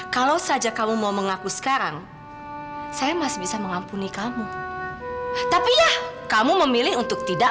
kalau saja kamu mau mengaku sekarang saya masih bisa mengampuni kamu tapi ya kamu memilih untuk tidak